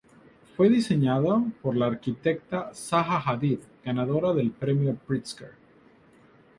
Fue diseñado por la arquitecta Zaha Hadid, ganadora del Premio Pritzker.